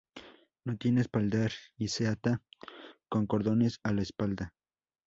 No tiene espaldar y se ata con cordones a la espalda.